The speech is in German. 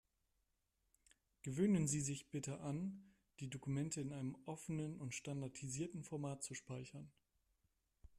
Gewöhnen Sie sich bitte an, die Dokumente in einem offenen und standardisierten Format zu speichern.